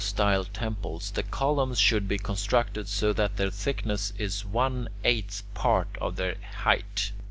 In araeostyle temples, the columns should be constructed so that their thickness is one eighth part of their height.